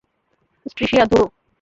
ট্রিসিয়া, ধুরো।